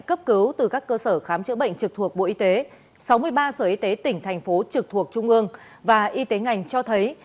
cấp cứu từ các cơ sở khám chữa bệnh trực thuộc bộ y tế sáu mươi ba sở y tế tỉnh thành phố trực thuộc trung ương và y tế ngành cho thấy